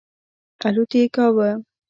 الوت یې کاوه.